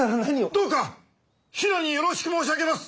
どうか平によろしく申し上げます！